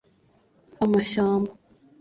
amashyamba